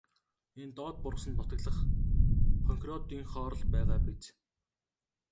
Энэ доод бургасанд нутаглах хонхироодынхоор л байгаа биз.